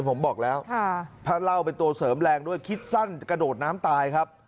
พระเวราว่าเป็นตัวเสริมแรงด้วยคิดสั้นกระโดดน้ำตายครับ